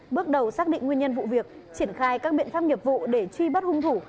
bước đầu xác định nguyên nhân vụ việc triển khai các biện pháp nghiệp vụ để truy bắt hung thủ